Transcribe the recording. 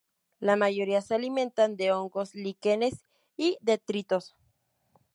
La mayoría se alimentan de hongos, líquenes y detritos.